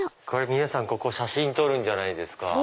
皆さんここ写真撮るんじゃないですか？